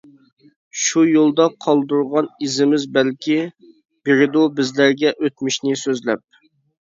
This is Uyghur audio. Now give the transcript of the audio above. شۇ يولدا قالدۇرغان ئىزىمىز بەلكى، بېرىدۇ بىزلەرگە ئۆتمۈشنى سۆزلەپ.